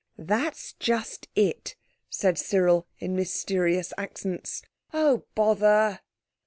"That's just it," said Cyril in mysterious accents. "Oh, _bother!